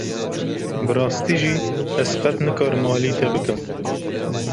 Bi rastî jî ez qet nikarim alî te bikim.